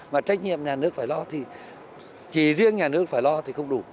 mà trách nhiệm nhà nước phải lo thì chỉ riêng nhà nước phải lo thì không đủ